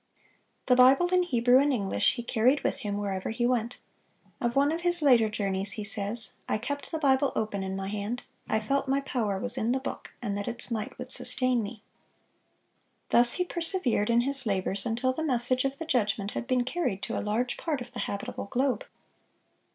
(601) The Bible in Hebrew and English he carried with him wherever he went. Of one of his later journeys he says, "I ... kept the Bible open in my hand. I felt my power was in the book, and that its might would sustain me."(602) Thus he persevered in his labors until the message of the judgment had been carried to a large part of the habitable globe.